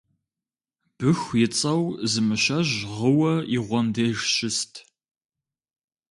Быху ицӀэу зы мыщэжь гъыуэ и гъуэм деж щыст